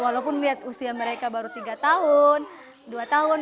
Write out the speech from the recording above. walaupun lihat usia mereka baru tiga tahun dua tahun